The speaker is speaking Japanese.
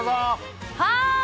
はい！